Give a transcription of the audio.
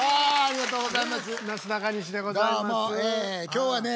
今日はね